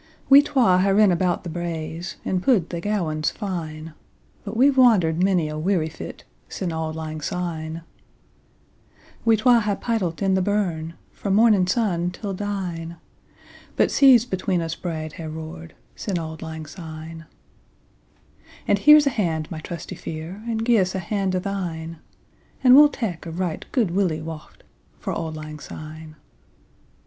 We twa hae rin about the braes, 5 And pu'd the gowans fine; But we've wander'd monie a weary fit Sin' auld lang syne. We twa hae paidl't i' the burn, Frae mornin' sun till dine; 10 But seas between us braid hae roar'd Sin' auld lang syne. And here 's a hand, my trusty fiere, And gie's a hand o' thine; And we'll tak a right guid willie waught 15 For auld lang syne.